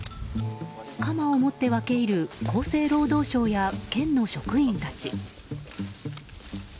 鎌を持って分け入る厚生労働省や県の職員たち。